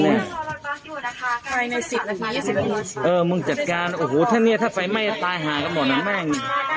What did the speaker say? เนี้ยเออมึงจัดการโอ้โหถ้าเนี้ยถ้าไฟไม่ตายหาก็หมดนั้นแม่ง